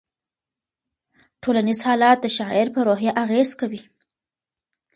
ټولنیز حالات د شاعر په روحیه اغېز کوي.